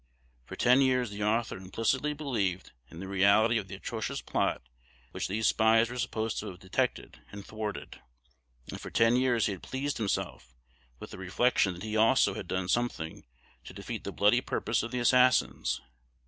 For ten years the author implicitly believed in the reality of the atrocious plot which these spies were supposed to have detected and thwarted; and for ten years he had pleased himself with the reflection that he also had done something to defeat the bloody purpose of the assassins.